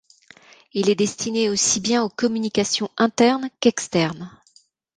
Il est destiné aussi bien aux communications internes qu'externes.